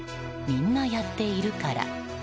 みんなやっているから。